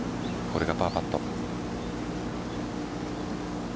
これがパーパット。